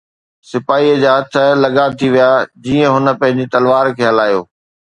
سپاهيءَ جا هٿ لڱا ٿي ويا جيئن هن پنهنجي تلوار کي هلايو.